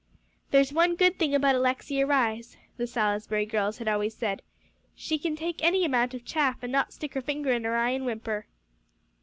"There's one good thing about Alexia Rhys," the "Salisbury girls" had always said, "she can take any amount of chaff, and not stick her finger in her eye and whimper."